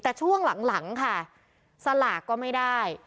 แต่ช่วงหลังค่ะสลากก็ไม่ได้